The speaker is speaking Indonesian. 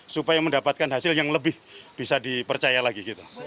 supaya mendapatkan hasil yang lebih bisa dipercaya lagi